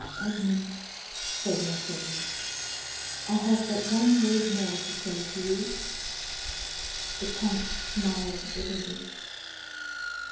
"Edmond," said Mercédès, "I have but one word more to say to you." The count smiled bitterly.